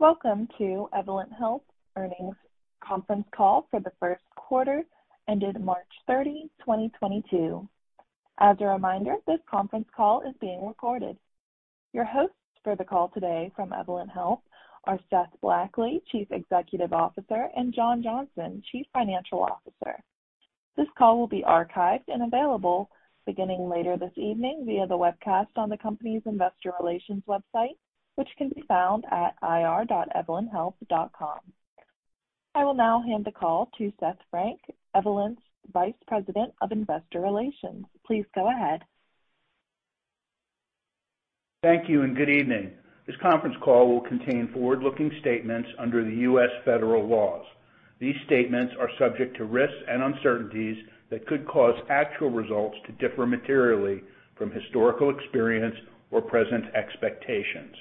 Welcome to Evolent Health Earnings conference call for the first quarter ended March 30, 2022. As a reminder, this conference call is being recorded. Your hosts for the call today from Evolent Health are Seth Blackley, Chief Executive Officer, and John Johnson, Chief Financial Officer. This call will be archived and available beginning later this evening via the webcast on the company's investor relations website, which can be found at ir.evolenthealth.com. I will now hand the call to Seth Frank, Evolent's Vice President of Investor Relations. Please go ahead. Thank you, and good evening. This conference call will contain forward-looking statements under the U.S. federal laws. These statements are subject to risks and uncertainties that could cause actual results to differ materially from historical experience or present expectations.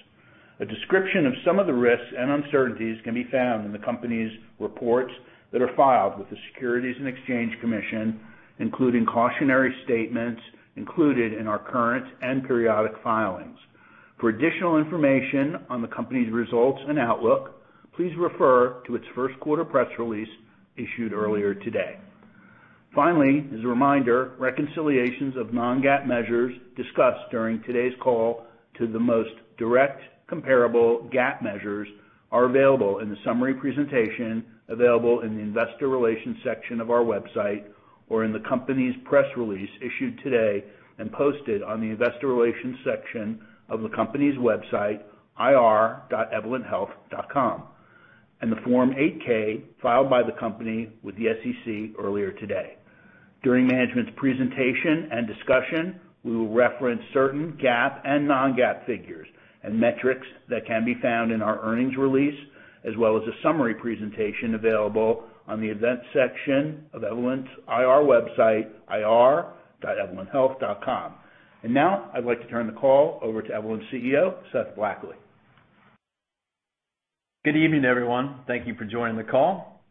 A description of some of the risks and uncertainties can be found in the company's reports that are filed with the Securities and Exchange Commission, including cautionary statements included in our current and periodic filings. For additional information on the company's results and outlook, please refer to its first quarter press release issued earlier today. Finally, as a reminder, reconciliations of non-GAAP measures discussed during today's call to the most direct comparable GAAP measures are available in the summary presentation available in the investor relations section of our website or in the company's press release issued today and posted on the investor relations section of the company's website, ir.evolenthealth.com, and the Form 8-K filed by the company with the SEC earlier today. During management's presentation and discussion, we will reference certain GAAP and non-GAAP figures and metrics that can be found in our earnings release, as well as a summary presentation available on the events section of Evolent's IR website, ir.evolenthealth.com. Now I'd like to turn the call over to Evolent's CEO, Seth Blackley. Good evening, everyone. Thank you for joining the call.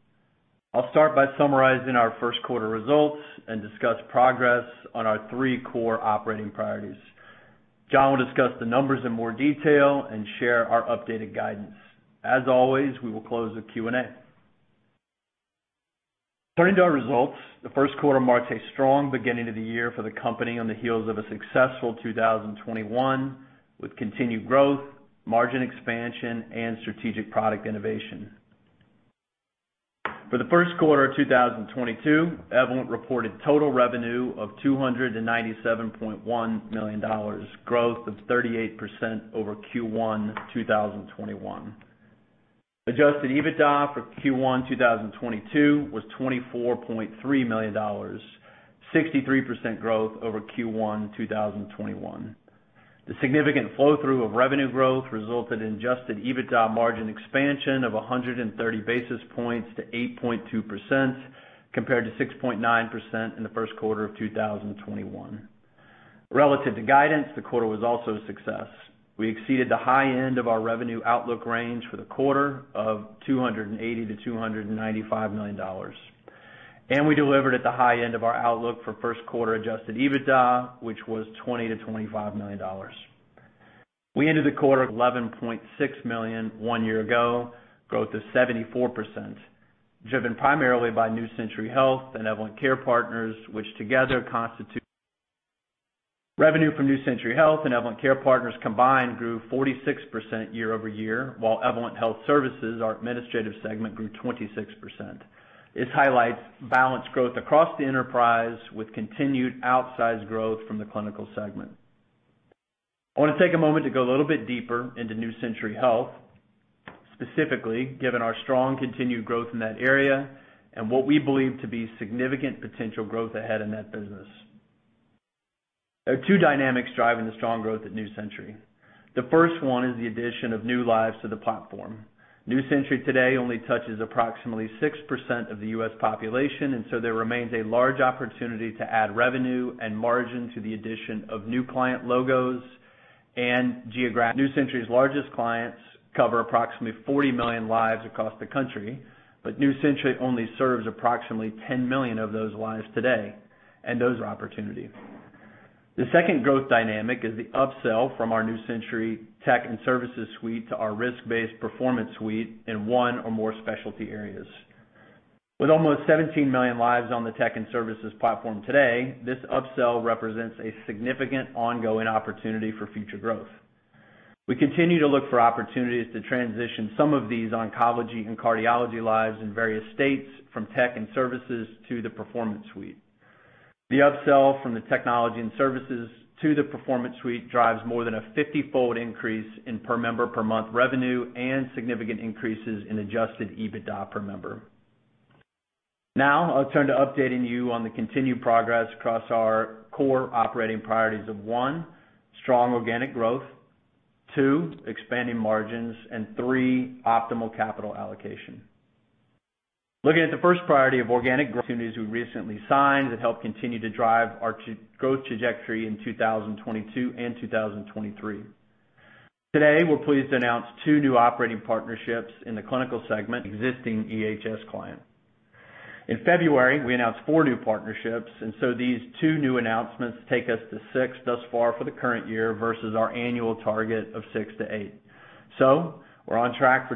I'll start by summarizing our first quarter results and discuss progress on our three core operating priorities. John will discuss the numbers in more detail and share our updated guidance. As always, we will close with Q&A. Turning to our results, the first quarter marks a strong beginning of the year for the company on the heels of a successful 2021, with continued growth, margin expansion, and strategic product innovation. For the first quarter of 2022, Evolent reported total revenue of $297.1 million, growth of 38% over Q1 2021. Adjusted EBITDA for Q1 2022 was $24.3 million, 63% growth over Q1 2021. The significant flow-through of revenue growth resulted in adjusted EBITDA margin expansion of 130 basis points to 8.2%, compared to 6.9% in the first quarter of 2021. Relative to guidance, the quarter was also a success. We exceeded the high end of our revenue outlook range for the quarter of $280 million-$295 million, and we delivered at the high end of our outlook for first quarter adjusted EBITDA, which was $20 million-$25 million. We ended the quarter $11.6 million year-over-year growth of 74%, driven primarily by New Century Health and Evolent Care Partners. Revenue from New Century Health and Evolent Care Partners combined grew 46% year-over-year, while Evolent Health Services, our administrative segment, grew 26%. This highlights balanced growth across the enterprise with continued outsized growth from the clinical segment. I wanna take a moment to go a little bit deeper into New Century Health, specifically given our strong continued growth in that area and what we believe to be significant potential growth ahead in that business. There are two dynamics driving the strong growth at New Century Health. The first one is the addition of new lives to the platform. New Century Health today only touches approximately 6% of the U.S. population, and so there remains a large opportunity to add revenue and margin to the addition of new client logos and geographies. New Century Health's largest clients cover approximately 40 million lives across the country, but New Century Health only serves approximately 10 million of those lives today, and those are opportunities. The second growth dynamic is the upsell from our New Century Health Technology and Services suite to our risk-based Performance Suite in one or more specialty areas. With almost 17 million lives on the Technology and Services platform today, this upsell represents a significant ongoing opportunity for future growth. We continue to look for opportunities to transition some of these oncology and cardiology lives in various states from Technology and Services to the Performance Suite. The upsell from the Technology and Services to the Performance Suite drives more than a 50-fold increase in per member per month revenue and significant increases in Adjusted EBITDA per member. Now I'll turn to updating you on the continued progress across our core operating priorities of, one, strong organic growth, two, expanding margins, and three, optimal capital allocation. Looking at the first priority of organic growth. Opportunities we recently signed that help continue to drive our growth trajectory in 2022 and 2023. Today, we're pleased to announce two new operating partnerships in the clinical segment. Existing EHS client. In February, we announced four new partnerships, and so these two new announcements take us to six thus far for the current year versus our annual target of six to eight. We're on track.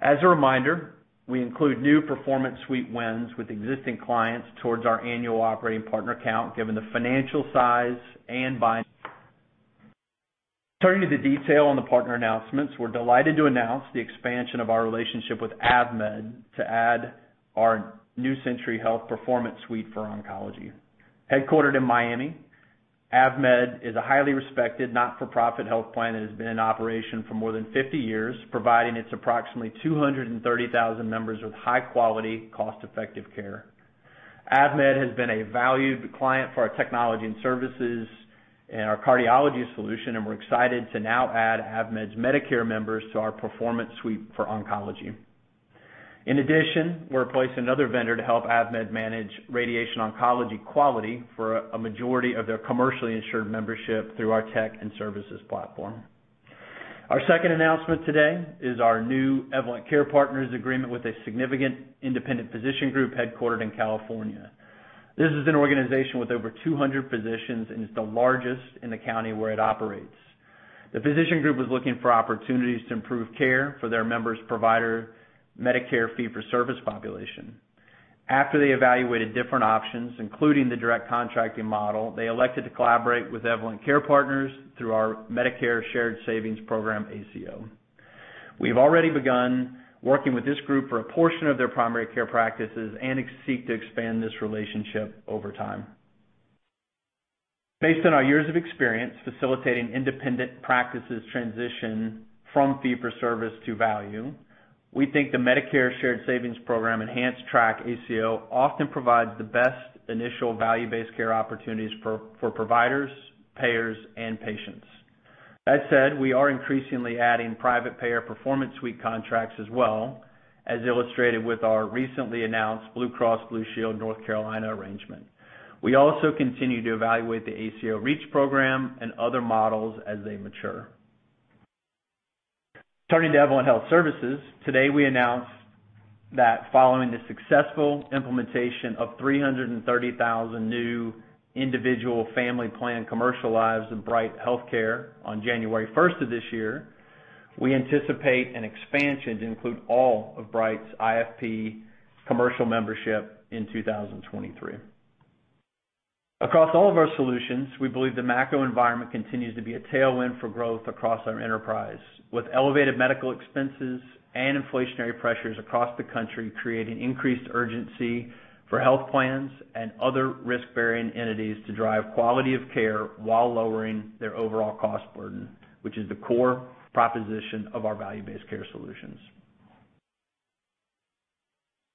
As a reminder, we include new Performance Suite wins with existing clients towards our annual operating partner count, given the financial size and buying. Turning to the detail on the partner announcements, we're delighted to announce the expansion of our relationship with AvMed to add our New Century Health Performance Suite for Oncology. Headquartered in Miami, AvMed is a highly respected not-for-profit health plan that has been in operation for more than 50 years, providing its approximately 230,000 members with high-quality, cost-effective care. AvMed has been a valued client for our technology and services and our cardiology solution, and we're excited to now add AvMed's Medicare members to our performance suite for oncology. In addition, we replaced another vendor to help AvMed manage radiation oncology quality for a majority of their commercially insured membership through our tech and services platform. Our second announcement today is our new Evolent Care Partners agreement with a significant independent physician group headquartered in California. This is an organization with over 200 physicians and is the largest in the county where it operates. The physician group was looking for opportunities to improve care for their members' provider Medicare fee-for-service population. After they evaluated different options, including the direct contracting model, they elected to collaborate with Evolent Care Partners through our Medicare Shared Savings Program ACO. We've already begun working with this group for a portion of their primary care practices and seek to expand this relationship over time. Based on our years of experience facilitating independent practices transition from fee-for-service to value, we think the Medicare Shared Savings Program Enhanced Track ACO often provides the best initial value-based care opportunities for providers, payers, and patients. That said, we are increasingly adding private payer Performance Suite contracts as well, as illustrated with our recently announced Blue Cross and Blue Shield of North Carolina arrangement. We also continue to evaluate the ACO REACH program and other models as they mature. Turning to Evolent Health Services, today we announced that following the successful implementation of 330,000 new individual family plan commercial lives in Bright Health on January first of this year, we anticipate an expansion to include all of Bright Health's IFP commercial membership in 2023. Across all of our solutions, we believe the macro environment continues to be a tailwind for growth across our enterprise, with elevated medical expenses and inflationary pressures across the country creating increased urgency for health plans and other risk-bearing entities to drive quality of care while lowering their overall cost burden, which is the core proposition of our value-based care solutions.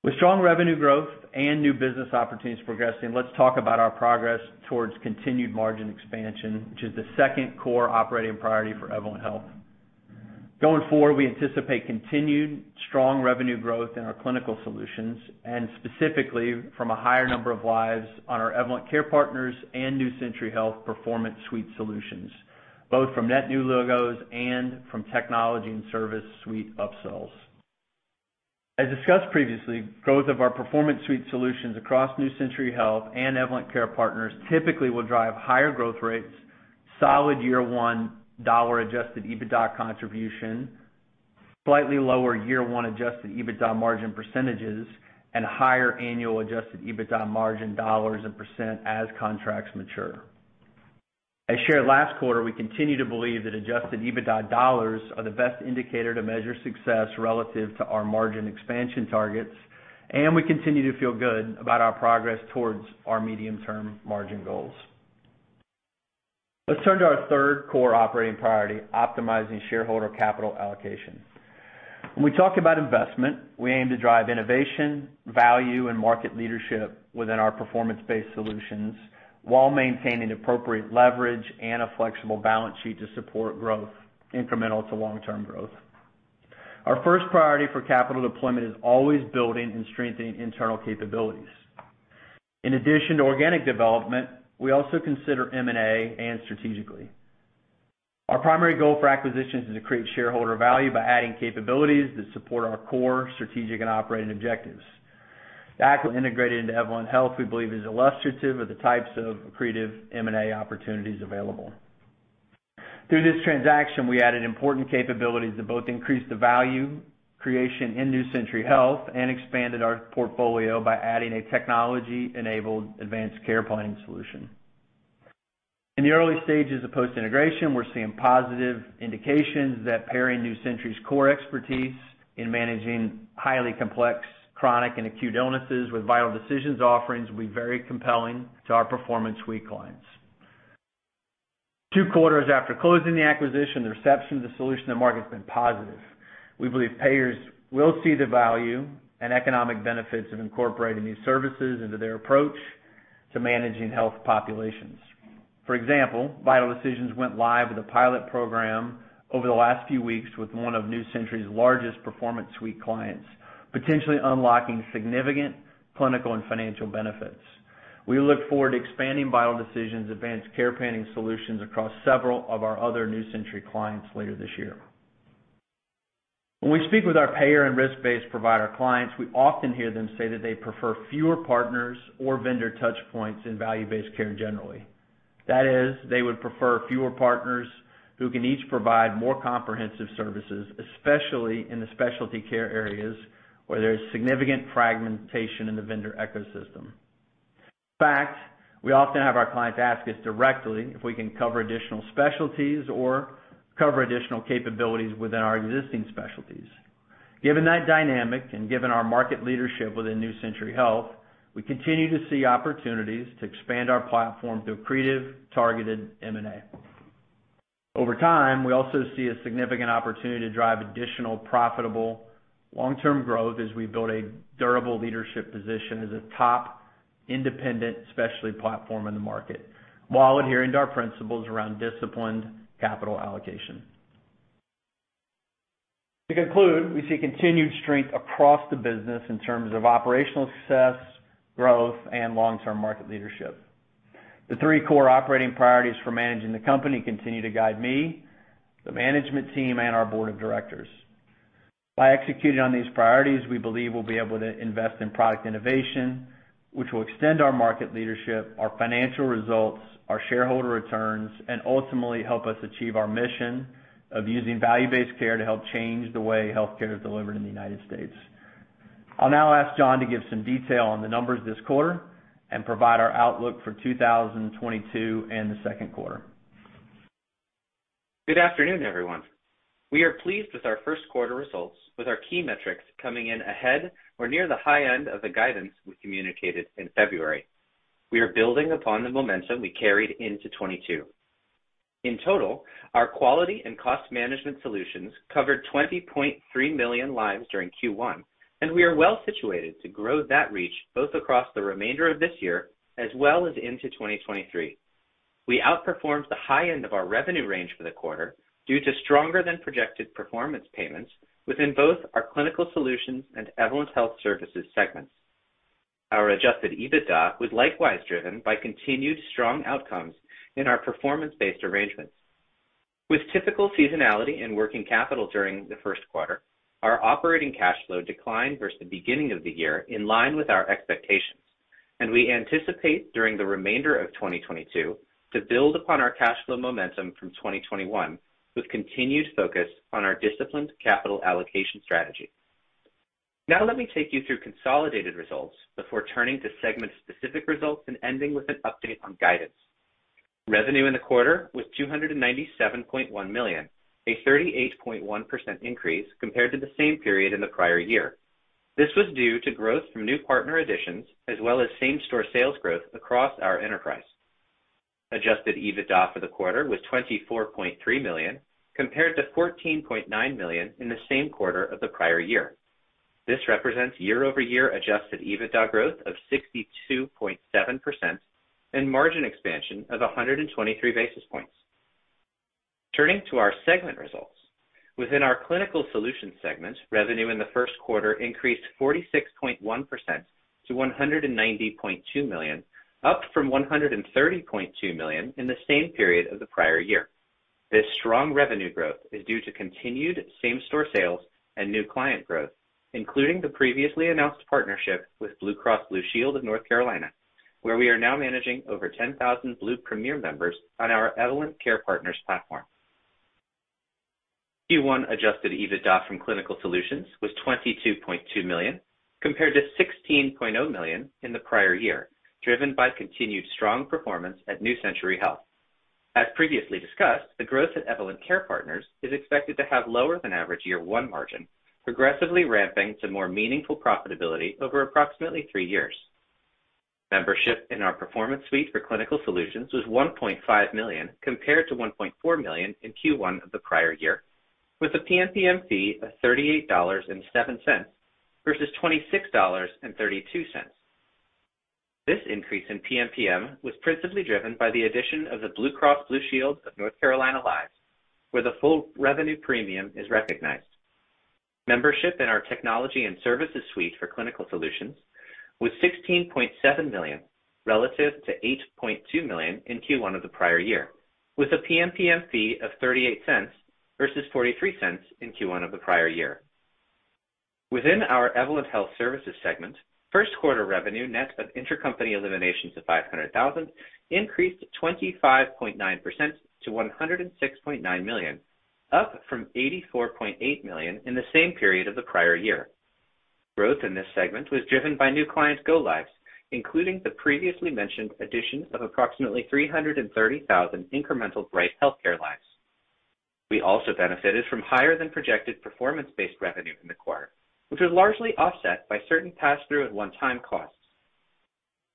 With strong revenue growth and new business opportunities progressing, let's talk about our progress towards continued margin expansion, which is the second core operating priority for Evolent Health. Going forward, we anticipate continued strong revenue growth in our clinical solutions, and specifically from a higher number of lives on our Evolent Care Partners and New Century Health Performance Suite solutions, both from net new logos and from Technology and Services Suite upsells. As discussed previously, growth of our Performance Suite solutions across New Century Health and Evolent Care Partners typically will drive higher growth rates, solid year one dollar-adjusted EBITDA contribution, slightly lower year one Adjusted EBITDA margin percentages, and higher annual Adjusted EBITDA margin dollars and percent as contracts mature. As shared last quarter, we continue to believe that Adjusted EBITDA dollars are the best indicator to measure success relative to our margin expansion targets, and we continue to feel good about our progress towards our medium-term margin goals. Let's turn to our third core operating priority, optimizing shareholder capital allocation. When we talk about investment, we aim to drive innovation, value, and market leadership within our performance-based solutions while maintaining appropriate leverage and a flexible balance sheet to support growth incremental to long-term growth. Our first priority for capital deployment is always building and strengthening internal capabilities. In addition to organic development, we also consider M&A and strategically. Our primary goal for acquisitions is to create shareholder value by adding capabilities that support our core strategic and operating objectives. The acquisition integrated into Evolent Health, we believe, is illustrative of the types of accretive M&A opportunities available. Through this transaction, we added important capabilities that both increased the value creation in New Century Health and expanded our portfolio by adding a technology-enabled advanced care planning solution. In the early stages of post-integration, we're seeing positive indications that pairing New Century Health's core expertise in managing highly complex chronic and acute illnesses with Vital Decisions offerings will be very compelling to our Performance Suite clients. Two quarters after closing the acquisition, the reception of the solution to market has been positive. We believe payers will see the value and economic benefits of incorporating these services into their approach to managing health populations. For example, Vital Decisions went live with a pilot program over the last few weeks with one of New Century Health's largest Performance Suite clients, potentially unlocking significant clinical and financial benefits. We look forward to expanding Vital Decisions' advanced care planning solutions across several of our other New Century clients later this year. When we speak with our payer and risk-based provider clients, we often hear them say that they prefer fewer partners or vendor touch points in value-based care generally. That is, they would prefer fewer partners who can each provide more comprehensive services, especially in the specialty care areas where there's significant fragmentation in the vendor ecosystem. In fact, we often have our clients ask us directly if we can cover additional specialties or cover additional capabilities within our existing specialties. Given that dynamic, and given our market leadership within New Century Health, we continue to see opportunities to expand our platform through accretive, targeted M&A. Over time, we also see a significant opportunity to drive additional profitable long-term growth as we build a durable leadership position as a top independent specialty platform in the market, while adhering to our principles around disciplined capital allocation. To conclude, we see continued strength across the business in terms of operational success, growth, and long-term market leadership. The three core operating priorities for managing the company continue to guide me, the management team, and our board of directors. By executing on these priorities, we believe we'll be able to invest in product innovation, which will extend our market leadership, our financial results, our shareholder returns, and ultimately help us achieve our mission of using value-based care to help change the way healthcare is delivered in the United States. I'll now ask John to give some detail on the numbers this quarter and provide our outlook for 2022 and the second quarter. Good afternoon, everyone. We are pleased with our first quarter results, with our key metrics coming in ahead or near the high end of the guidance we communicated in February. We are building upon the momentum we carried into 2022. In total, our quality and cost management solutions covered 20.3 million lives during Q1, and we are well situated to grow that reach both across the remainder of this year as well as into 2023. We outperformed the high end of our revenue range for the quarter due to stronger than projected performance payments within both our Clinical Solutions and Evolent Health Services segments. Our Adjusted EBITDA was likewise driven by continued strong outcomes in our performance-based arrangements. With typical seasonality and working capital during the first quarter, our operating cash flow declined versus the beginning of the year in line with our expectations, and we anticipate during the remainder of 2022 to build upon our cash flow momentum from 2021, with continued focus on our disciplined capital allocation strategy. Now let me take you through consolidated results before turning to segment-specific results and ending with an update on guidance. Revenue in the quarter was $297.1 million, a 38.1% increase compared to the same period in the prior year. This was due to growth from new partner additions as well as same-store sales growth across our enterprise. Adjusted EBITDA for the quarter was $24.3 million, compared to $14.9 million in the same quarter of the prior year. This represents year-over-year Adjusted EBITDA growth of 62.7% and margin expansion of 123 basis points. Turning to our segment results. Within our Clinical Solutions segment, revenue in the first quarter increased 46.1% to $190.2 million, up from $130.2 million in the same period of the prior year. This strong revenue growth is due to continued same-store sales and new client growth, including the previously announced partnership with Blue Cross and Blue Shield of North Carolina, where we are now managing over 10,000 Blue Premier members on our Evolent Care Partners platform. Q1 Adjusted EBITDA from Clinical Solutions was $22.2 million, compared to $16.0 million in the prior year, driven by continued strong performance at New Century Health. As previously discussed, the growth at Evolent Care Partners is expected to have lower than average year-one margin, progressively ramping to more meaningful profitability over approximately three years. Membership in our Performance Suite for Clinical Solutions was 1.5 million, compared to 1.4 million in Q1 of the prior year, with a PMPM fee of $38.07 versus $26.32. This increase in PMPM was principally driven by the addition of the Blue Cross and Blue Shield of North Carolina lives, where the full revenue premium is recognized. Membership in our Technology and Services suite for Clinical Solutions was 16.7 million relative to 8.2 million in Q1 of the prior year, with a PMPM fee of $0.38 versus $0.43 in Q1 of the prior year. Within our Evolent Health Services segment, first quarter revenue, net of intercompany eliminations of $500,000, increased 25.9% to $106.9 million, up from $84.8 million in the same period of the prior year. Growth in this segment was driven by new clients' go-lives, including the previously mentioned addition of approximately 330,000 incremental Bright Health lives. We also benefited from higher than projected performance-based revenue in the quarter, which was largely offset by certain pass-through and one-time costs.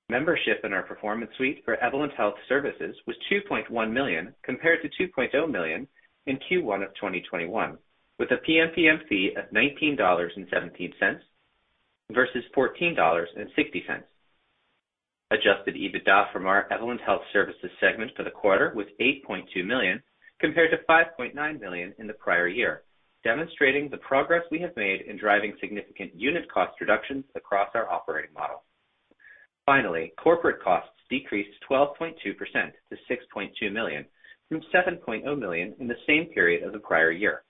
Membership in our Performance Suite for Evolent Health Services was 2.1 million compared to 2.0 million in Q1 of 2021, with a PMPM fee of $19.17 versus $14.60. Adjusted EBITDA from our Evolent Health Services segment for the quarter was $8.2 million compared to $5.9 million in the prior year, demonstrating the progress we have made in driving significant unit cost reductions across our operating model. Finally, corporate costs decreased 12.2% to $6.2 million from $7.0 million in the same period of the prior year.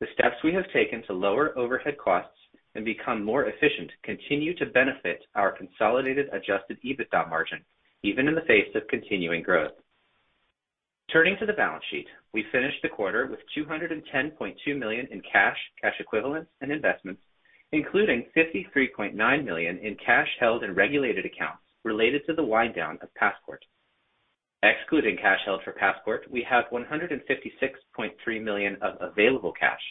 The steps we have taken to lower overhead costs and become more efficient continue to benefit our consolidated adjusted EBITDA margin even in the face of continuing growth. Turning to the balance sheet, we finished the quarter with $210.2 million in cash equivalents, and investments, including $53.9 million in cash held in regulated accounts related to the wind down of Passport. Excluding cash held for Passport, we have $156.3 million of available cash,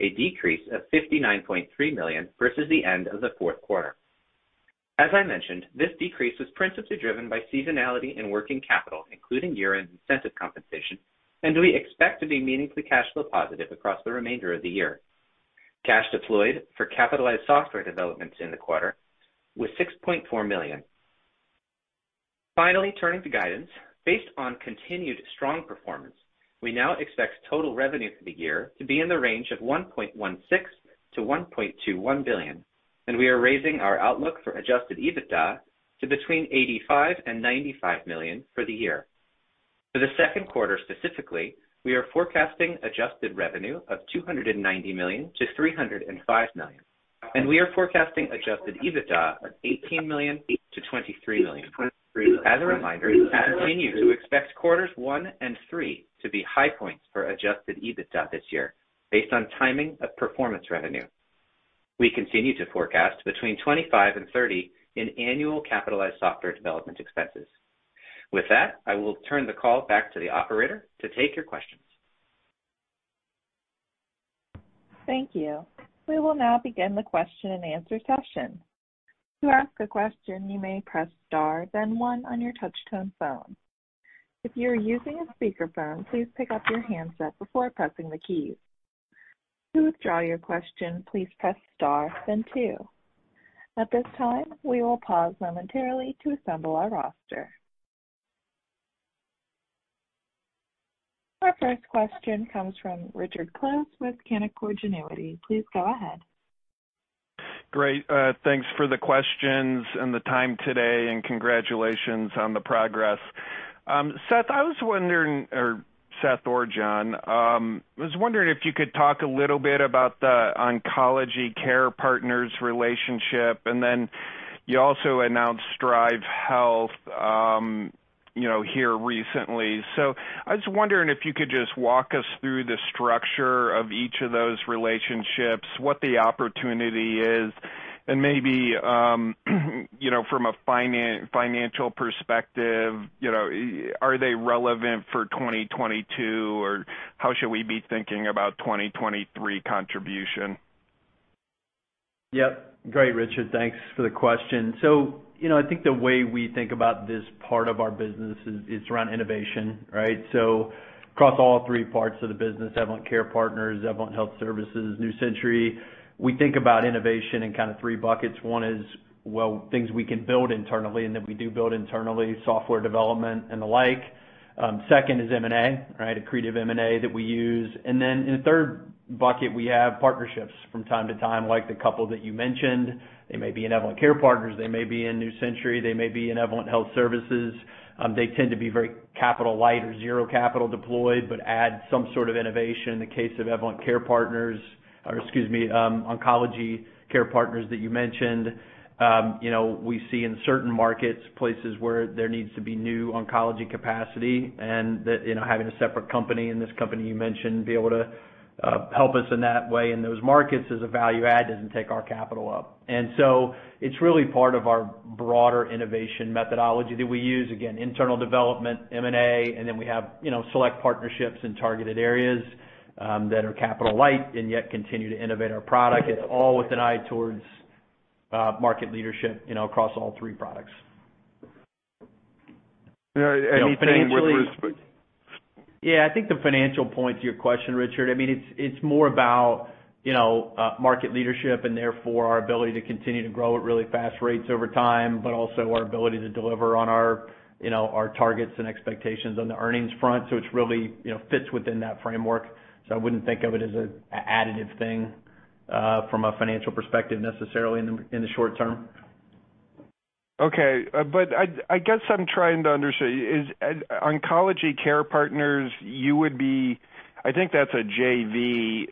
a decrease of $59.3 million versus the end of the fourth quarter. As I mentioned, this decrease was principally driven by seasonality and working capital, including year-end incentive compensation, and we expect to be meaningfully cash flow positive across the remainder of the year. Cash deployed for capitalized software developments in the quarter was $6.4 million. Finally, turning to guidance. Based on continued strong performance, we now expect total revenue for the year to be in the range of $1.16-$1.21 billion, and we are raising our outlook for Adjusted EBITDA to between $85-$95 million for the year. For the second quarter specifically, we are forecasting adjusted revenue of $290 million-$305 million, and we are forecasting Adjusted EBITDA of $18 million-$23 million. As a reminder, we continue to expect quarters one and three to be high points for Adjusted EBITDA this year based on timing of performance revenue. We continue to forecast between 25 and 30 in annual capitalized software development expenses. With that, I will turn the call back to the operator to take your questions. Thank you. We will now begin the question-and-answer session. To ask a question, you may press star then one on your touch tone phone. If you are using a speakerphone, please pick up your handset before pressing the keys. To withdraw your question, please press star then two. At this time, we will pause momentarily to assemble our roster. Our first question comes from Richard Close with Canaccord Genuity. Please go ahead. Great. Thanks for the questions and the time today, and congratulations on the progress. Seth or John, I was wondering if you could talk a little bit about the Oncology Care Partners relationship. You also announced Strive Health, you know, here recently. I was wondering if you could just walk us through the structure of each of those relationships, what the opportunity is, and maybe, you know, from a financial perspective, you know, are they relevant for 2022, or how should we be thinking about 2023 contribution? Yep. Great, Richard. Thanks for the question. You know, I think the way we think about this part of our business is around innovation, right? Across all three parts of the business, Evolent Care Partners, Evolent Health Services, New Century Health, we think about innovation in kinda three buckets. One is, well, things we can build internally and that we do build internally, software development and the like. Second is M&A, right? Accretive M&A that we use. And then in the third bucket, we have partnerships from time to time, like the couple that you mentioned. They may be in Evolent Care Partners, they may be in New Century Health, they may be in Evolent Health Services. They tend to be very capital light or zero capital deployed, but add some sort of innovation. In the case of Evolent Care Partners, or excuse me, Oncology Care Partners that you mentioned, you know, we see in certain markets, places where there needs to be new oncology capacity and that, you know, having a separate company, and this company you mentioned be able to, help us in that way in those markets is a value add, doesn't take our capital up. It's really part of our broader innovation methodology that we use, again, internal development, M&A, and then we have, you know, select partnerships in targeted areas, that are capital light and yet continue to innovate our product. It's all with an eye towards, market leadership, you know, across all three products. Any thing with respect- Yeah, I think the financial point to your question, Richard, I mean, it's more about, you know, market leadership and therefore our ability to continue to grow at really fast rates over time, but also our ability to deliver on our, you know, our targets and expectations on the earnings front. It's really, you know, fits within that framework. I wouldn't think of it as an additive thing from a financial perspective necessarily in the short term. Okay. I guess I'm trying to understand. Is Oncology Care Partners, you would be... I think that's a JV.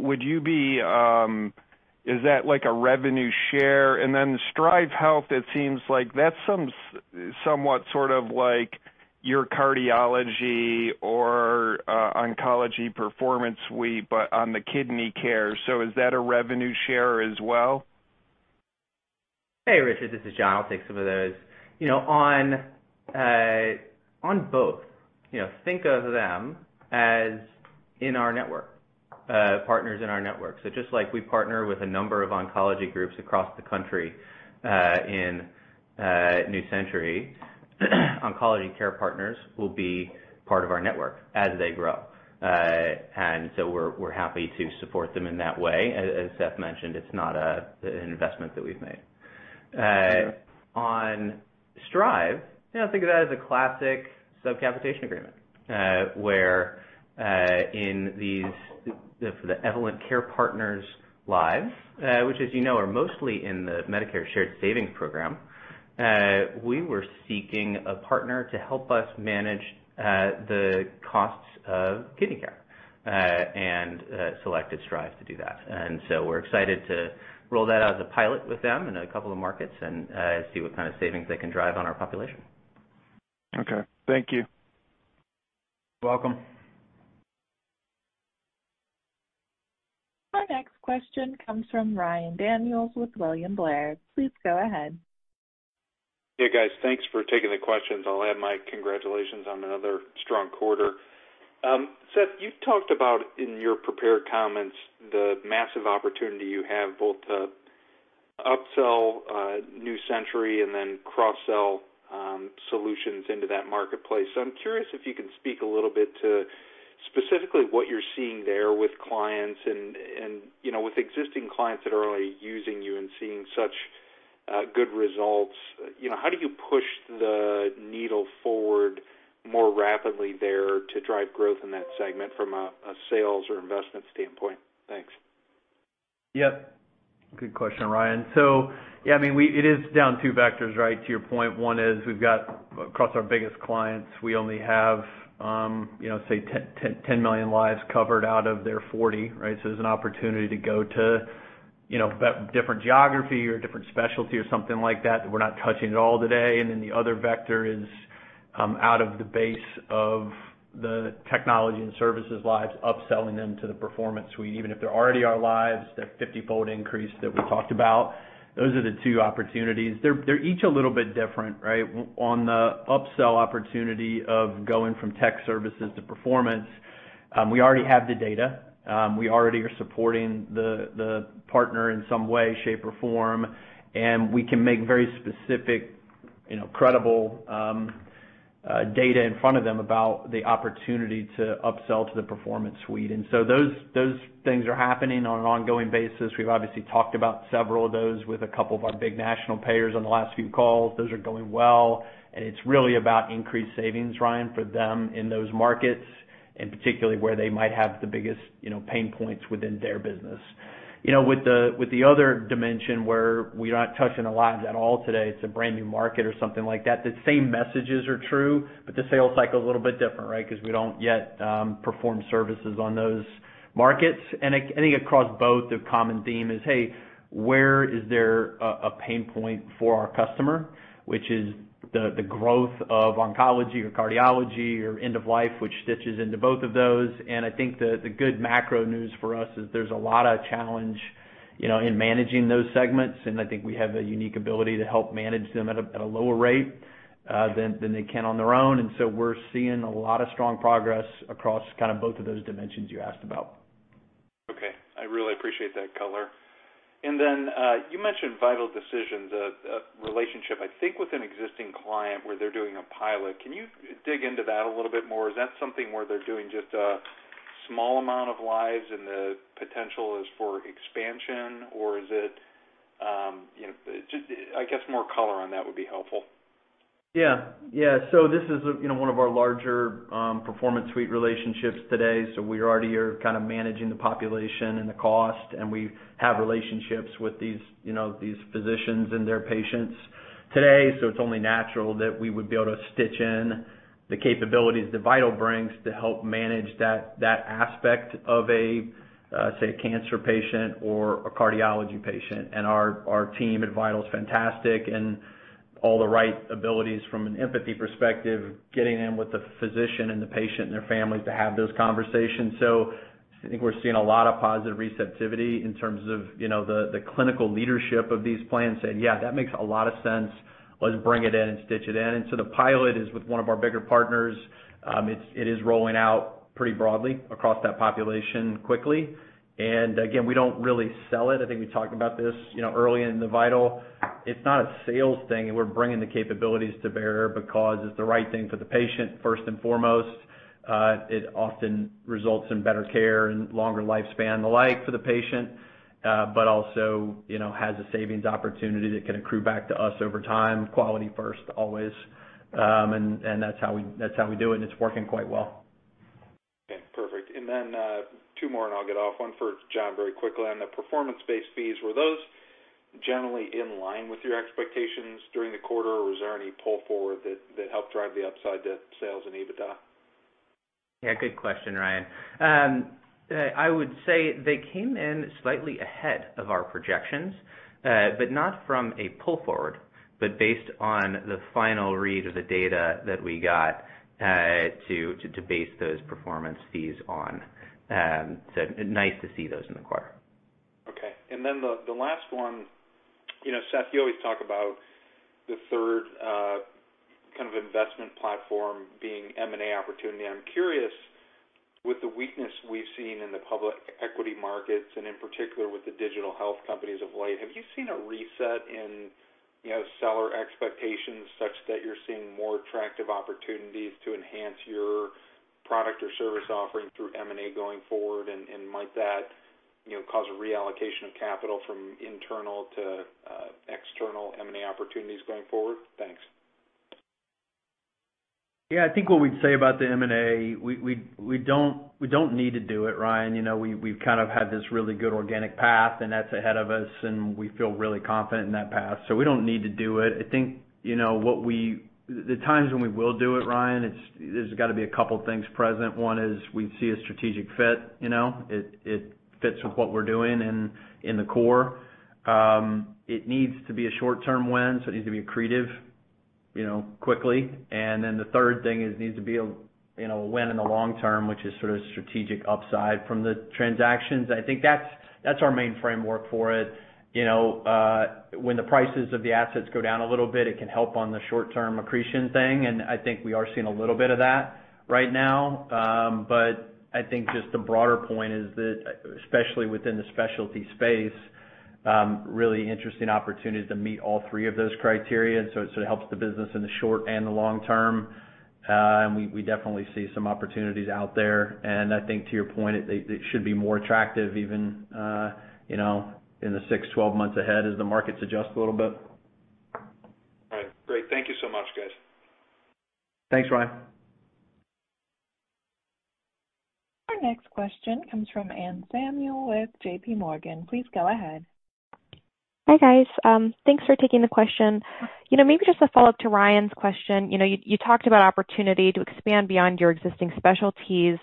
Would you be, is that like a revenue share? And then Strive Health, it seems like that's somewhat sort of like your cardiology or oncology Performance Suite, but on the kidney care. Is that a revenue share as well? Hey, Richard, this is John. I'll take some of those. You know, on both, you know, think of them as in our network, partners in our network. Just like we partner with a number of oncology groups across the country, in New Century, Oncology Care Partners will be part of our network as they grow. We're happy to support them in that way. As Seth mentioned, it's not an investment that we've made. On Strive, you know, think of that as a classic sub-capitation agreement, where for the Evolent Care Partners lives, which as you know, are mostly in the Medicare Shared Savings Program, we were seeking a partner to help us manage the costs of kidney care and selected Strive to do that. We're excited to roll that out as a pilot with them in a couple of markets and see what kind of savings they can drive on our population. Okay. Thank you. You're welcome. Our next question comes from Ryan Daniels with William Blair. Please go ahead. Hey, guys. Thanks for taking the questions. I'll add my congratulations on another strong quarter. Seth, you talked about in your prepared comments, the massive opportunity you have both to upsell New Century and then cross-sell solutions into that marketplace. I'm curious if you can speak a little bit to specifically what you're seeing there with clients and, you know, with existing clients that are already using you and seeing such good results. You know, how do you push the needle forward more rapidly there to drive growth in that segment from a sales or investment standpoint? Thanks. Yep. Good question, Ryan. Yeah, I mean, it is down two vectors, right, to your point. One is we've got across our biggest clients, we only have, you know, say 10 million lives covered out of their 40, right? There's an opportunity to go to, you know, different geography or different specialty or something like that we're not touching at all today. The other vector is out of the base of the Technology and Services lives, upselling them to the Performance Suite, even if they're already our lives, that 50-fold increase that we talked about. Those are the two opportunities. They're each a little bit different, right? On the upsell opportunity of going from Tech Services to Performance, we already have the data. We already are supporting the partner in some way, shape, or form, and we can make very specific, you know, credible data in front of them about the opportunity to upsell to the Performance Suite. Those things are happening on an ongoing basis. We've obviously talked about several of those with a couple of our big national payers on the last few calls. Those are going well, and it's really about increased savings, Ryan, for them in those markets, and particularly where they might have the biggest, you know, pain points within their business. With the other dimension where we're not touching the lives at all today, it's a brand-new market or something like that, the same messages are true, but the sales cycle is a little bit different, right? 'Cause we don't yet perform services on those markets. I think across both, the common theme is, hey, where is there a pain point for our customer, which is the growth of oncology or cardiology or end of life, which stitches into both of those. I think the good macro news for us is there's a lot of challenge, you know, in managing those segments, and I think we have a unique ability to help manage them at a lower rate than they can on their own. We're seeing a lot of strong progress across kind of both of those dimensions you asked about. Okay. I really appreciate that color. You mentioned Vital Decisions, a relationship I think with an existing client where they're doing a pilot. Can you dig into that a little bit more? Is that something where they're doing just a small amount of lives and the potential is for expansion? Just, I guess more color on that would be helpful. Yeah. Yeah. This is, you know, one of our larger Performance Suite relationships today. We already are kind of managing the population and the cost, and we have relationships with these, you know, these physicians and their patients today. It's only natural that we would be able to stitch in the capabilities that Vital brings to help manage that aspect of a say, a cancer patient or a cardiology patient. Our team at Vital is fantastic and all the right abilities from an empathy perspective, getting in with the physician and the patient and their families to have those conversations. I think we're seeing a lot of positive receptivity in terms of, you know, the clinical leadership of these plans saying, "Yeah, that makes a lot of sense. Let's bring it in and stitch it in. The pilot is with one of our bigger partners. It is rolling out pretty broadly across that population quickly. Again, we don't really sell it. I think we talked about this, you know, early in the Vital Decisions. It's not a sales thing, and we're bringing the capabilities to bear because it's the right thing for the patient first and foremost. It often results in better care and longer lifespan, the like for the patient, but also, you know, has a savings opportunity that can accrue back to us over time. Quality first, always. That's how we do it, and it's working quite well. Okay, perfect. Then two more, and I'll get off. One for John very quickly. On the performance-based fees, were those generally in line with your expectations during the quarter, or was there any pull forward that helped drive the upside to sales and EBITDA? Yeah, good question, Ryan. I would say they came in slightly ahead of our projections, but not from a pull forward, but based on the final read of the data that we got to base those performance fees on. Nice to see those in the quarter. Okay. The last one. You know, Seth, you always talk about the third kind of investment platform being M&A opportunity. I'm curious, with the weakness we've seen in the public equity markets and in particular with the digital health companies of late, have you seen a reset in, you know, seller expectations such that you're seeing more attractive opportunities to enhance your product or service offering through M&A going forward, and might that, you know, cause a reallocation of capital from internal to external M&A opportunities going forward? Thanks. Yeah. I think what we'd say about the M&A, we don't need to do it, Ryan. You know, we've kind of had this really good organic path, and that's ahead of us, and we feel really confident in that path. We don't need to do it. I think, you know, the times when we will do it, Ryan, there's gotta be a couple things present. One is we see a strategic fit, you know. It fits with what we're doing in the core. It needs to be a short-term win, so it needs to be accretive, you know, quickly. Then the third thing is it needs to be a, you know, a win in the long term, which is sort of strategic upside from the transactions. I think that's our main framework for it. You know, when the prices of the assets go down a little bit, it can help on the short term accretion thing, and I think we are seeing a little bit of that right now. I think just the broader point is that, especially within the specialty space, really interesting opportunities to meet all three of those criteria. It sort of helps the business in the short and the long term. We definitely see some opportunities out there. I think to your point, they should be more attractive even, you know, in the 6-12 months ahead as the markets adjust a little bit. All right. Great. Thank you so much, guys. Thanks, Ryan. Our next question comes from Anne Samuel with JPMorgan. Please go ahead. Hi, guys. Thanks for taking the question. You know, maybe just a follow-up to Ryan's question. You know, you talked about opportunity to expand beyond your existing specialties.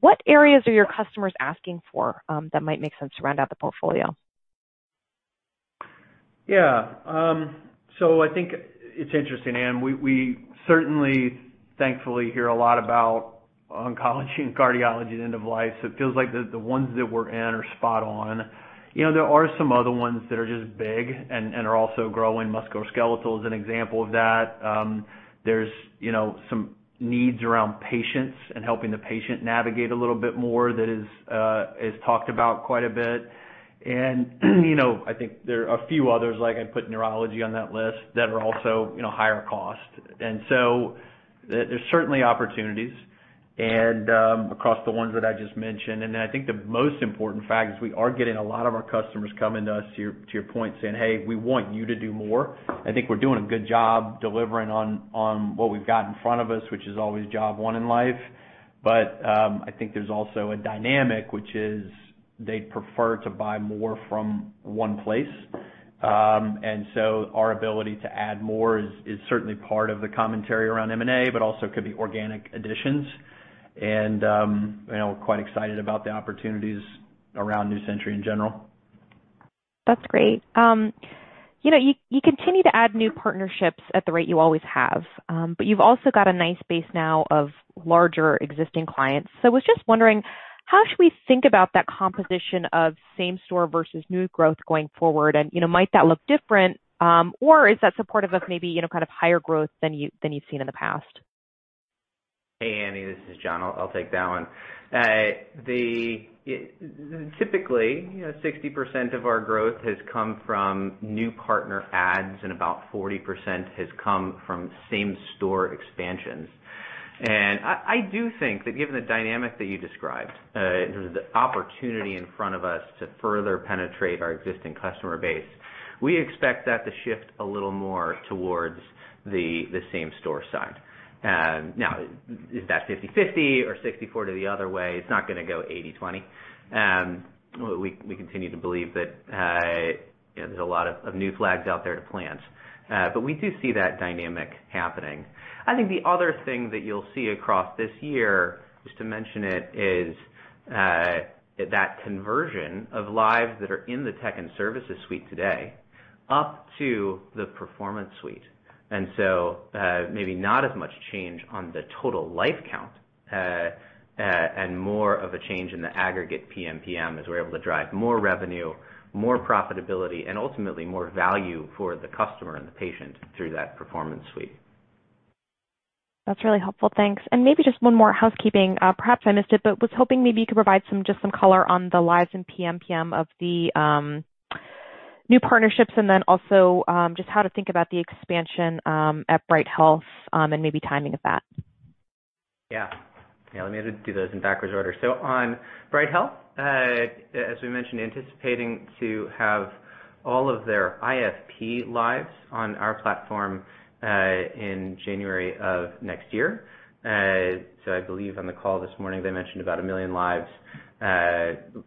What areas are your customers asking for that might make sense to round out the portfolio? Yeah. I think it's interesting, Anne. We certainly thankfully hear a lot about oncology and cardiology and end of life, so it feels like the ones that we're in are spot on. You know, there are some other ones that are just big and are also growing. Musculoskeletal is an example of that. There's, you know, some needs around patients and helping the patient navigate a little bit more that is talked about quite a bit. You know, I think there are a few others, like I'd put neurology on that list, that are also, you know, higher cost. There's certainly opportunities across the ones that I just mentioned. I think the most important fact is we are getting a lot of our customers coming to us, to your point, saying, "Hey, we want you to do more." I think we're doing a good job delivering on what we've got in front of us, which is always job one in life. I think there's also a dynamic, which is they'd prefer to buy more from one place. Our ability to add more is certainly part of the commentary around M&A, but also could be organic additions. You know, we're quite excited about the opportunities around New Century in general. That's great. You know, you continue to add new partnerships at the rate you always have, but you've also got a nice base now of larger existing clients. I was just wondering, how should we think about that composition of same store versus new growth going forward? You know, might that look different, or is that supportive of maybe, you know, kind of higher growth than you've seen in the past? Hey, Annie, this is John. I'll take that one. Typically, you know, 60% of our growth has come from new partner adds and about 40% has come from same store expansions. I do think that given the dynamic that you described, the opportunity in front of us to further penetrate our existing customer base, we expect that to shift a little more towards the same store side. Now, is that 50-50 or 60-40 to the other way? It's not gonna go 80-20. We continue to believe that, you know, there's a lot of new flags out there to plant. But we do see that dynamic happening. I think the other thing that you'll see across this year, just to mention it, is that conversion of lives that are in the Technology and Services suite today up to the Performance Suite. Maybe not as much change on the total life count, and more of a change in the aggregate PMPM as we're able to drive more revenue, more profitability, and ultimately more value for the customer and the patient through that Performance Suite. That's really helpful. Thanks. Maybe just one more housekeeping. Perhaps I missed it, but was hoping maybe you could provide some, just some color on the lives in PMPM of the new partnerships, and then also, just how to think about the expansion at Bright Health, and maybe timing of that. Yeah. Yeah, let me do those in backwards order. On Bright Health, as we mentioned, anticipating to have all of their IFP lives on our platform in January of next year. I believe on the call this morning, they mentioned about 1 million lives,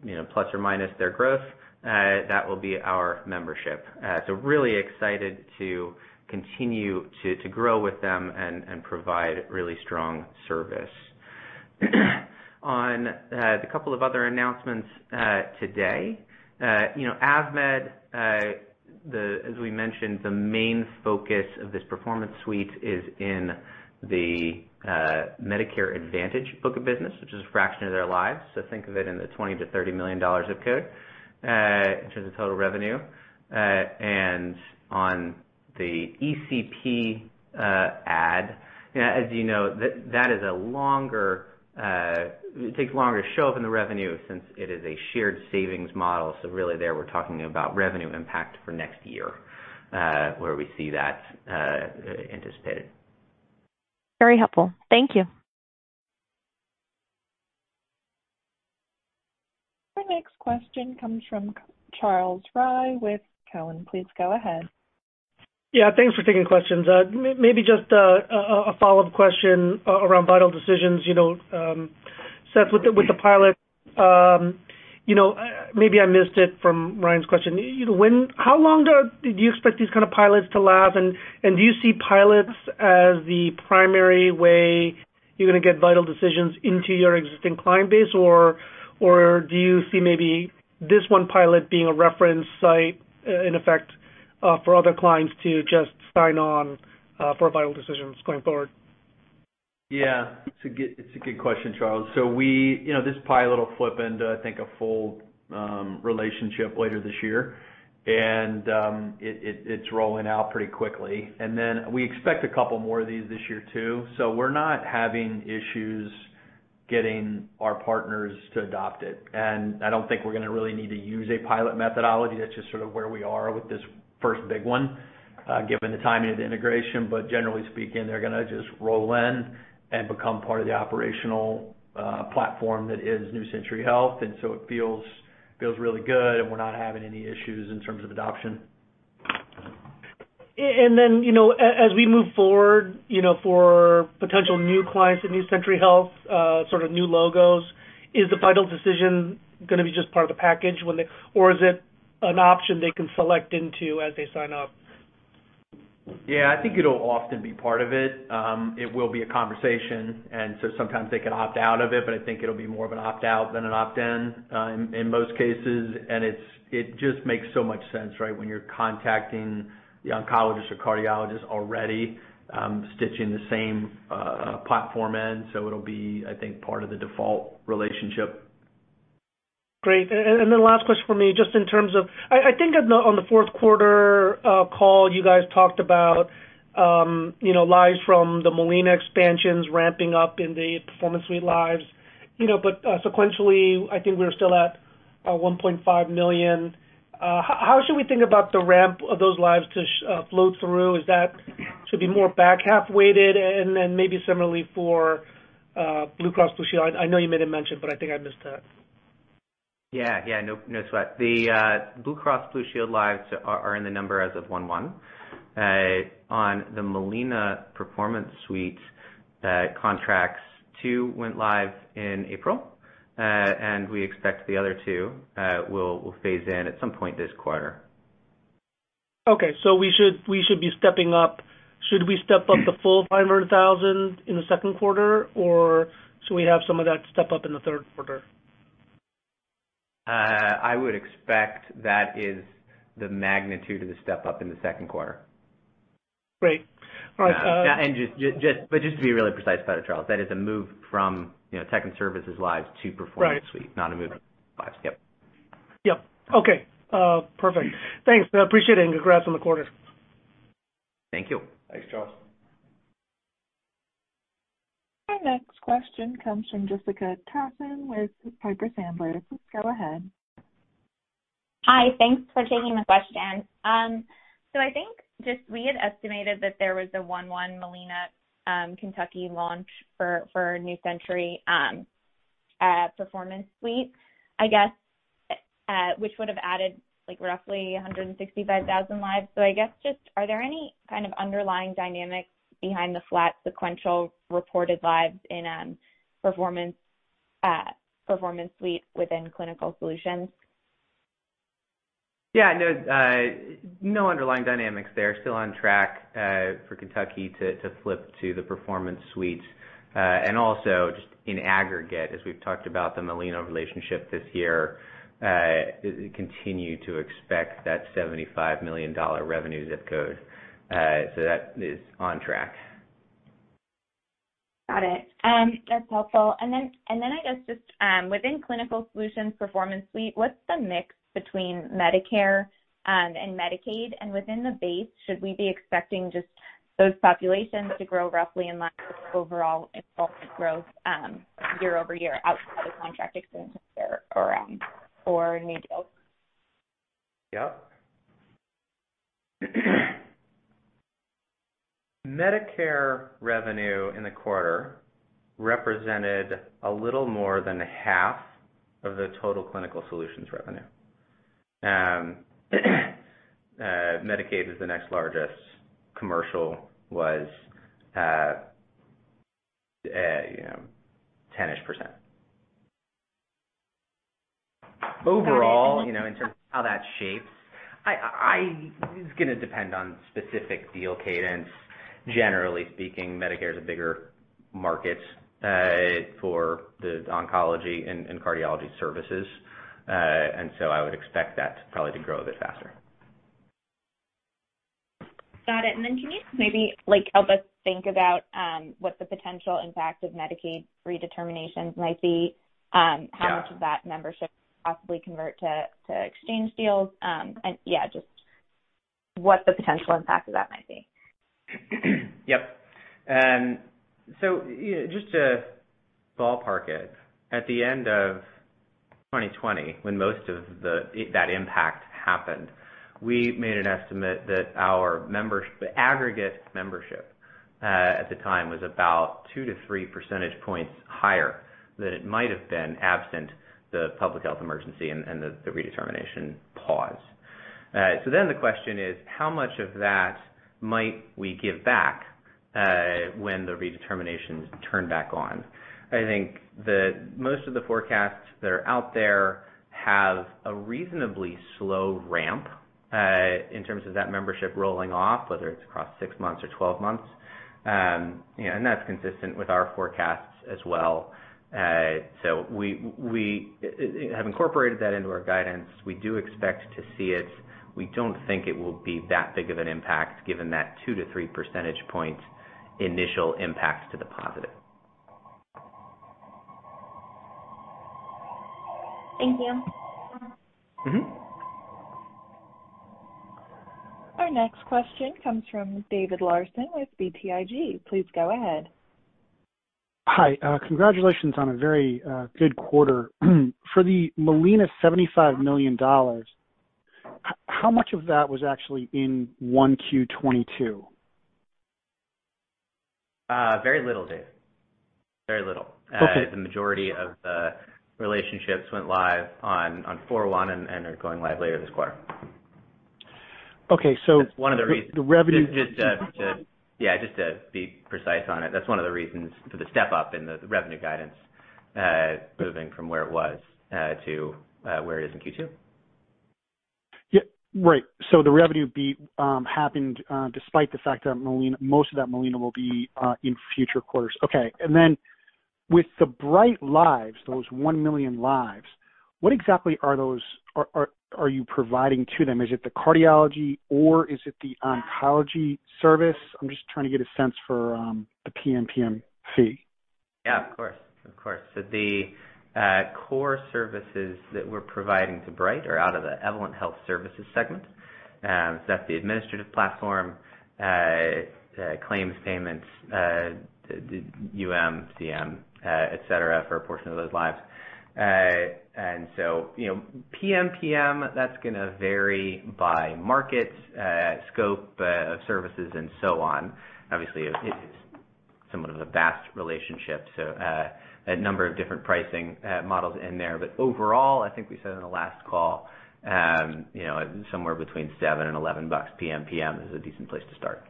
you know, plus or minus their growth. That will be our membership. Really excited to continue to grow with them and provide really strong service. On the couple of other announcements today. You know, AvMed, as we mentioned, the main focus of this Performance Suite is in the Medicare Advantage book of business, which is a fraction of their lives. Think of it in the $20 million-$30 million ZIP code in terms of total revenue. On the ECP, as you know, that is a longer, it takes longer to show up in the revenue since it is a shared savings model. Really there we're talking about revenue impact for next year, where we see that anticipated. Very helpful. Thank you. Our next question comes from Charles Rhyee with TD Cowen. Please go ahead. Yeah, thanks for taking questions. Maybe just a follow-up question around Vital Decisions. You know, Seth, with the pilot, you know, maybe I missed it from Ryan's question. You know, how long do you expect these kind of pilots to last? Do you see pilots as the primary way you're gonna get Vital Decisions into your existing client base or do you see maybe this one pilot being a reference site in effect for other clients to just sign on for Vital Decisions going forward? It's a good question, Charles. We, you know, this pilot will flip into, I think, a full relationship later this year. It's rolling out pretty quickly. Then we expect a couple more of these this year too. We're not having issues getting our partners to adopt it. I don't think we're gonna really need to use a pilot methodology. That's just sort of where we are with this first big one, given the timing of the integration. But generally speaking, they're gonna just roll in and become part of the operational platform that is New Century Health. It feels really good, and we're not having any issues in terms of adoption. As we move forward, you know, for potential new clients at New Century Health, sort of new logos, is the Vital Decisions gonna be just part of the package when they or is it an option they can select into as they sign up? Yeah, I think it'll often be part of it. It will be a conversation, and so sometimes they can opt out of it, but I think it'll be more of an opt out than an opt-in, in most cases. It just makes so much sense, right? When you're contacting the oncologist or cardiologist already, stitching the same platform in, so it'll be, I think, part of the default relationship. Great. Last question for me, just in terms of, I think on the fourth quarter call, you guys talked about, you know, lives from the Molina expansions ramping up in the Performance Suite lives. You know, but sequentially, I think we're still at 1.5 million. How should we think about the ramp of those lives to flow through? Is that to be more back half weighted? Maybe similarly for Blue Cross Blue Shield. I know you made a mention, but I think I missed that. Yeah. No sweat. The Blue Cross Blue Shield lives are in the number as of 1/1. On the Molina Performance Suite contracts, two went live in April. We expect the other two will phase in at some point this quarter. Okay. We should be stepping up. Should we step up the full $500,000 in the second quarter, or should we have some of that step up in the third quarter? I would expect that is the magnitude of the step up in the second quarter. Great. All right, Just to be really precise about it, Charles, that is a move from, you know, tech and services line to Performance Suite. Right Not a move lives. Yep. Yep. Okay. Perfect. Thanks. I appreciate it, and congrats on the quarter. Thank you. Thanks, Charles. Our next question comes from Jessica Tassan with Piper Sandler. Please go ahead. Hi. Thanks for taking the question. I think just we had estimated that there was a 1-1 Molina Kentucky launch for New Century Performance Suite, I guess, which would have added like roughly 165,000 lives. I guess just are there any kind of underlying dynamics behind the flat sequential reported lives in Performance Suite within Clinical Solutions? No underlying dynamics there. Still on track for Kentucky to flip to the Performance Suite. Also just in aggregate, as we've talked about the Molina relationship this year, we continue to expect that $75 million revenue zip code. That is on track. Got it. That's helpful. Then I guess just within Clinical Solutions Performance Suite, what's the mix between Medicare and Medicaid? Within the base, should we be expecting just those populations to grow roughly in line with overall enrollment growth year-over-year outside of contract extensions there or new deals? Yep. Medicare revenue in the quarter represented a little more than half of the total Clinical Solutions revenue. Medicaid is the next largest. Commercial was, you know, 10-ish%. Overall. Okay. You know, in terms of how that shapes, it's gonna depend on specific deal cadence. Generally speaking, Medicare is a bigger market for the oncology and cardiology services. I would expect that probably to grow a bit faster. Got it. Then can you maybe, like, help us think about what the potential impact of Medicaid redeterminations might be? Yeah. How much of that membership possibly convert to exchange deals? Yeah, just what the potential impact of that might be. Yep. You know, just to ballpark it, at the end of 2020, when most of that impact happened, we made an estimate that our members, the aggregate membership, at the time was about 2-3 percentage points higher than it might have been absent the public health emergency and the redetermination pause. The question is, how much of that might we give back when the redeterminations turn back on? I think that most of the forecasts that are out there have a reasonably slow ramp in terms of that membership rolling off, whether it's across 6 months or 12 months. You know, that's consistent with our forecasts as well. We have incorporated that into our guidance. We do expect to see it. We don't think it will be that big of an impact given that 2-3 percentage points initial impacts to the positive. Thank you. Mm-hmm. Our next question comes from David Larsen with BTIG. Please go ahead. Hi. Congratulations on a very good quarter. For the Molina $75 million, how much of that was actually in 1Q 2022? Very little, Dave. Very little. Okay. The majority of the relationships went live on 4/1 and are going live later this quarter. Okay. That's one of the reasons. The revenue Yeah, just to be precise on it, that's one of the reasons for the step up in the revenue guidance, moving from where it was to where it is in Q2. Yeah. Right. The revenue beat happened despite the fact that Molina, most of that Molina will be in future quarters. Okay. With the Bright Health lives, those 1 million lives, what exactly are you providing to them? Is it the cardiology or is it the oncology service? I'm just trying to get a sense for the PMPM fee. Yeah, of course. The core services that we're providing to Bright are out of the Evolent Health Services segment. That's the administrative platform, claims, payments, the UM, CM, et cetera, for a portion of those lives. You know, PMPM, that's gonna vary by market, scope of services and so on. Obviously, it is somewhat of a vast relationship, so a number of different pricing models in there. Overall, I think we said on the last call, you know, somewhere between $7 and $11 PMPM is a decent place to start.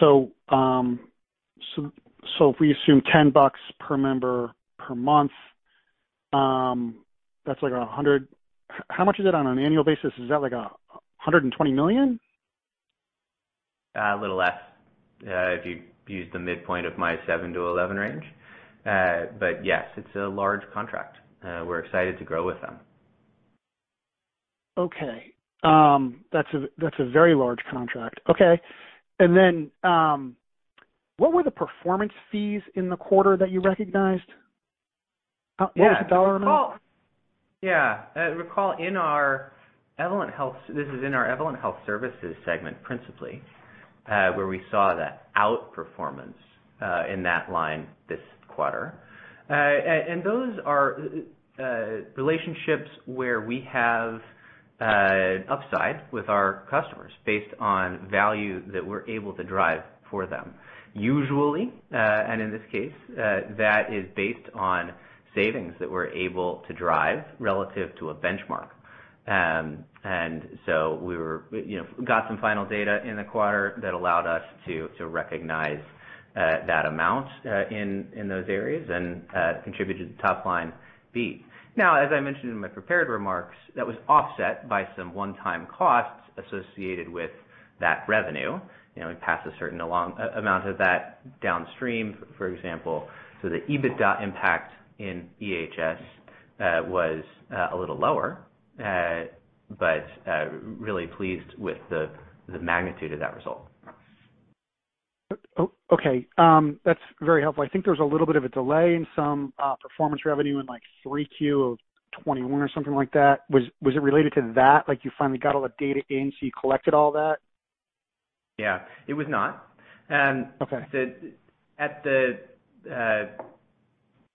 If we assume $10 per member per month, that's like $100. How much is it on an annual basis? Is that like $120 million? A little less, if you use the midpoint of my 7-11 range. Yes, it's a large contract. We're excited to grow with them. Okay. That's a very large contract. Okay. What were the performance fees in the quarter that you recognized? Yeah. What was the dollar amount? Yeah. Recall in our Evolent Health. This is in our Evolent Health Services segment, principally, where we saw that outperformance in that line this quarter. And those are relationships where we have upside with our customers based on value that we're able to drive for them. Usually, and in this case, that is based on savings that we're able to drive relative to a benchmark. We were, you know, got some final data in the quarter that allowed us to recognize that amount in those areas and contributed to the top line beat. Now, as I mentioned in my prepared remarks, that was offset by some one-time costs associated with that revenue. You know, we passed a certain amount of that downstream, for example. The EBITDA impact in EHS was a little lower, but really pleased with the magnitude of that result. Okay. That's very helpful. I think there was a little bit of a delay in some performance revenue in, like, 3Q of 2021 or something like that. Was it related to that? Like, you finally got all the data in, so you collected all that? Yeah. It was not. Okay. At the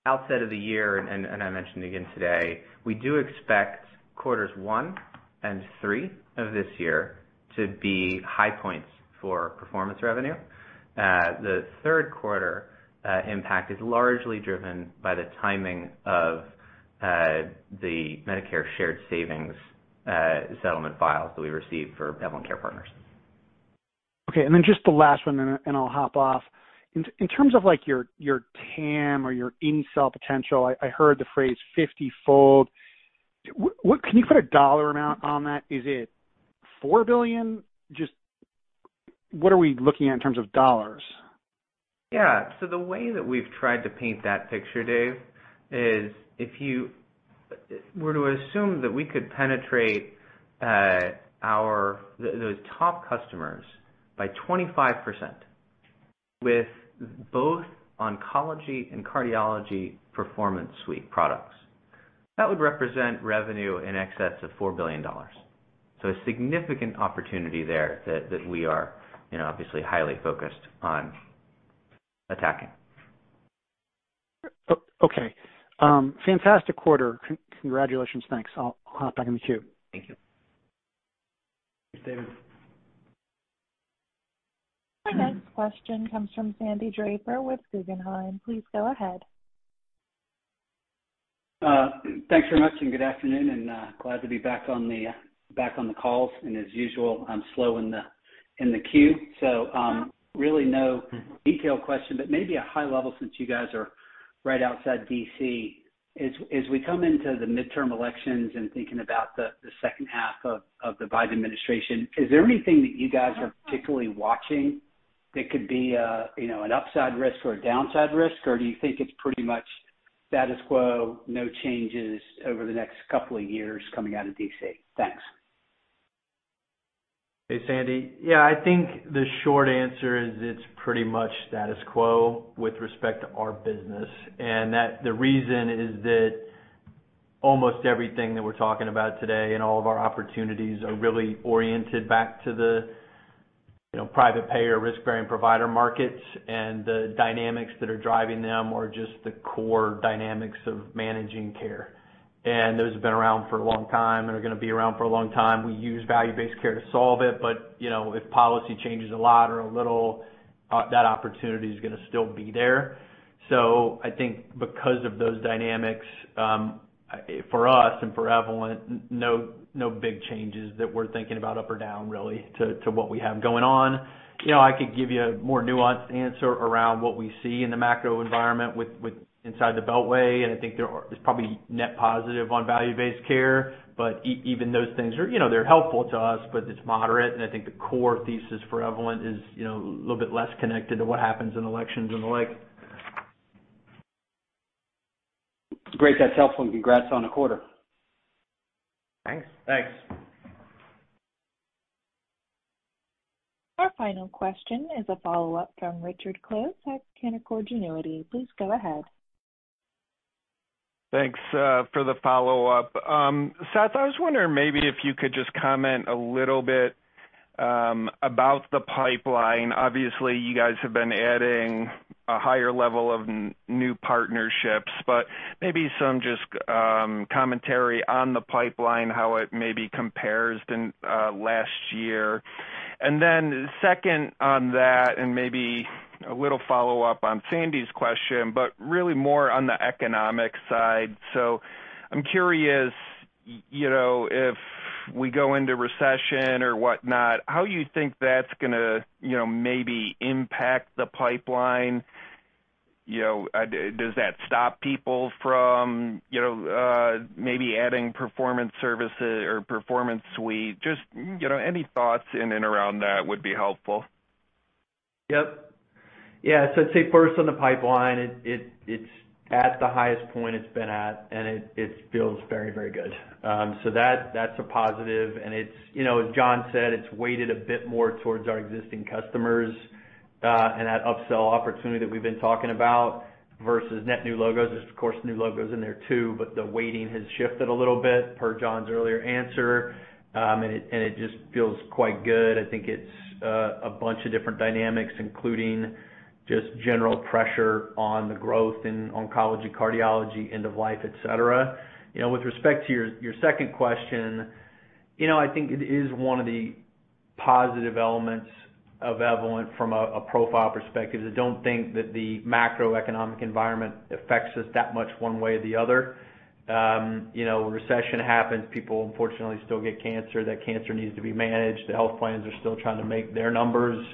outset of the year, and I mentioned again today, we do expect quarters 1 and 3 of this year to be high points for performance revenue. The third quarter impact is largely driven by the timing of the Medicare Shared Savings settlement files that we received for Evolent Care Partners. Okay. Just the last one and I'll hop off. In terms of, like, your TAM or your upside potential, I heard the phrase fiftyfold. What can you put a dollar amount on that? Is it $4 billion? Just what are we looking at in terms of dollars? Yeah. The way that we've tried to paint that picture, Dave, is if you were to assume that we could penetrate our those top customers by 25% with both oncology and cardiology Performance Suite products, that would represent revenue in excess of $4 billion. A significant opportunity there that we are, you know, obviously highly focused on. Attacking. Okay. Fantastic quarter. Congratulations. Thanks. I'll hop back in the queue. Thank you. Thanks, David. Our next question comes from Sandy Draper with Guggenheim. Please go ahead. Thanks very much, and good afternoon, glad to be back on the calls. As usual, I'm slow in the queue. Really no detailed question, but maybe a high level since you guys are right outside D.C. As we come into the midterm elections and thinking about the second half of the Biden administration, is there anything that you guys are particularly watching that could be a, you know, an upside risk or a downside risk? Or do you think it's pretty much status quo, no changes over the next couple of years coming out of D.C.? Thanks. Hey, Sandy. Yeah, I think the short answer is it's pretty much status quo with respect to our business. That the reason is that almost everything that we're talking about today and all of our opportunities are really oriented back to the, you know, private payer risk-bearing provider markets and the dynamics that are driving them or just the core dynamics of managing care. Those have been around for a long time and are gonna be around for a long time. We use value-based care to solve it, but, you know, if policy changes a lot or a little, that opportunity is gonna still be there. I think because of those dynamics, for us and for Evolent, no big changes that we're thinking about up or down really to what we have going on. You know, I could give you a more nuanced answer around what we see in the macro environment with inside the beltway. I think it's probably net positive on value-based care. Even those things are, you know, they're helpful to us, but it's moderate. I think the core thesis for Evolent is, you know, a little bit less connected to what happens in elections and the like. Great. That's helpful. Congrats on the quarter. Thanks. Thanks. Our final question is a follow-up from Richard Close at Canaccord Genuity. Please go ahead. Thanks for the follow-up. Seth, I was wondering maybe if you could just comment a little bit about the pipeline. Obviously, you guys have been adding a higher level of new partnerships, but maybe some just commentary on the pipeline, how it maybe compares to last year. Second on that, and maybe a little follow-up on Sandy's question, but really more on the economic side. I'm curious, you know, if we go into recession or whatnot, how you think that's gonna, you know, maybe impact the pipeline? You know, does that stop people from, you know, maybe adding Performance services or Performance Suite? Just, you know, any thoughts in and around that would be helpful. I'd say first on the pipeline, it's at the highest point it's been at, and it feels very good. That's a positive. It's, you know, as John said, it's weighted a bit more towards our existing customers, and that upsell opportunity that we've been talking about versus net new logos. There's, of course, new logos in there too, but the weighting has shifted a little bit per John's earlier answer. It just feels quite good. I think it's a bunch of different dynamics, including just general pressure on the growth in oncology, cardiology, end of life, et cetera. You know, with respect to your second question, you know, I think it is one of the positive elements of Evolent from a profile perspective. I don't think that the macroeconomic environment affects us that much one way or the other. You know, recession happens, people unfortunately still get cancer. That cancer needs to be managed. The health plans are still trying to make their numbers,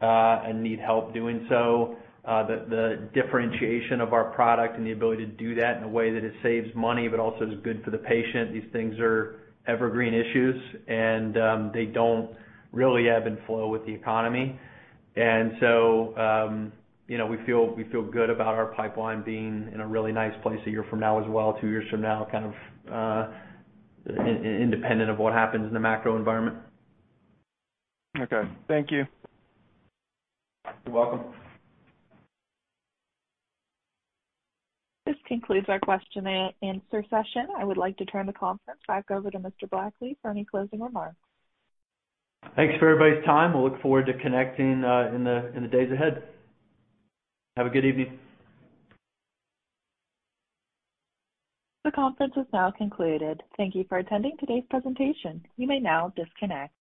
and need help doing so. The differentiation of our product and the ability to do that in a way that it saves money, but also is good for the patient, these things are evergreen issues, and they don't really ebb and flow with the economy. You know, we feel good about our pipeline being in a really nice place a year from now as well, two years from now, kind of, independent of what happens in the macro environment. Okay. Thank you. You're welcome. This concludes our question and answer session. I would like to turn the conference back over to Mr. Blackley for any closing remarks. Thanks for everybody's time. We'll look forward to connecting, in the days ahead. Have a good evening. The conference is now concluded. Thank you for attending today's presentation. You may now disconnect.